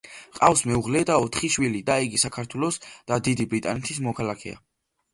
ჰყავს მეუღლე და ოთხი შვილი და იგი საქართველოს და დიდი ბრიტანეთის მოქალაქეა.